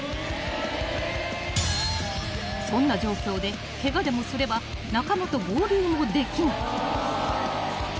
［そんな状況でケガでもすれば仲間と合流もできない］